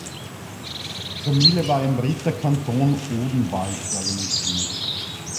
Die Familie war im Ritterkanton Odenwald organisiert.